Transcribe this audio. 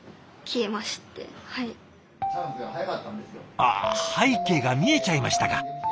ああ背景が見えちゃいましたか。